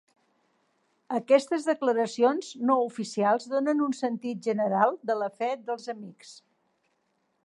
Aquestes declaracions no oficials donen un sentit general de la fe dels Amics.